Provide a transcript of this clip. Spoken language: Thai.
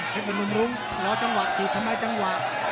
เทพบนมรุ้งรอจังหวะตีบพันไปจังหวะ